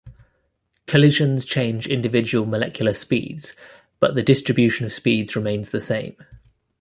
Collisions change individual molecular speeds but the distribution of speeds remains the same.